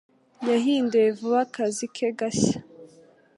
Yahinduye vuba akazi ke gashya.